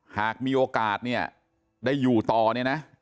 หากมีโอกาสได้อยู่ต่อนี่นะ